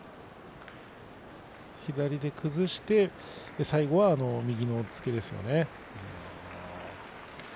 左で崩して最後は右の押っつけですよね。